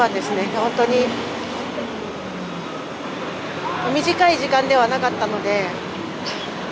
本当に短い時間ではなかったので。